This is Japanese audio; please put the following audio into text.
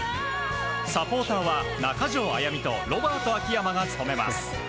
サポーターは中条あやみとロバート秋山が務めます。